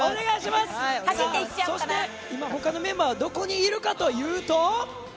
そして今の他のメンバーはどこにいるかというと。